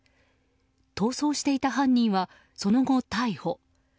逃走していた犯人は、その後逮捕。